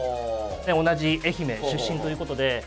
同じ愛媛出身ということで。